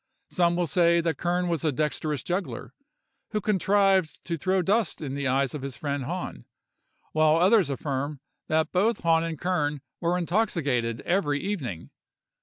Some say that Kern was a dexterous juggler, who contrived to throw dust in the eyes of his friend Hahn; while others affirm that both Hahn and Kern were intoxicated every evening!